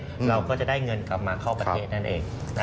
เราก็จะได้เงินกลับมาเข้าประเทศนั่นเอง